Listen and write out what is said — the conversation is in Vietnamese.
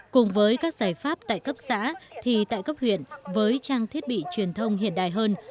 cùng với các giải pháp tại cấp xã thì tại cấp huyện với trang thiết bị truyền thông hiện đại hơn